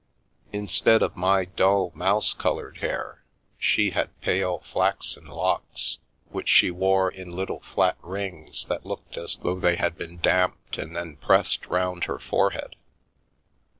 Instead of my dull, mouse coloured hair, she had pale, flaxen locks which she wore in little flat rings that looked as though they had been damped and then pressed round her forehead.